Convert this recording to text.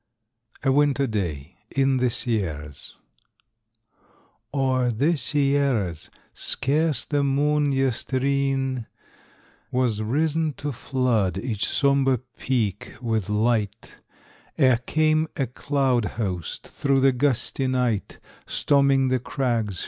A WINTER DAY. In the Sierras. O'er the Sierras scarce the moon yestre'en Was risen to flood each sombre peak with light, Ere came a cloud host through the gusty night, Storming the crags.